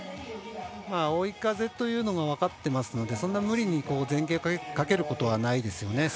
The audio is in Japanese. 追い風というのが分かってますのでそんな無理に前傾かけることはないですよね。